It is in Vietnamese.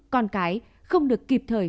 con cái không được kịp thời